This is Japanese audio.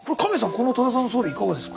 この多田さんの装備いかがですか？